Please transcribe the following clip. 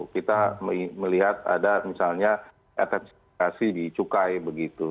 kita melihat ada misalnya etensifikasi di cukai begitu